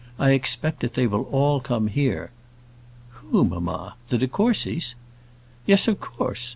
I expect that they will all come here." "Who, mamma? the de Courcys?" "Yes, of course.